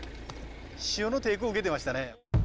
潮の抵抗受けてましたね。